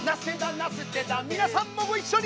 皆さんもご一緒に。